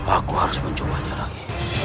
aku harus mencobanya lagi